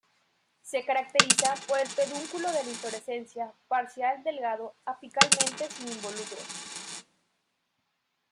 Se caracteriza por el pedúnculo de la inflorescencia parcial delgado apicalmente, sin involucro.